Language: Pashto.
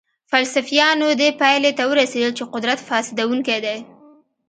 فلسفیانو دې پایلې ته ورسېدل چې قدرت فاسدونکی دی.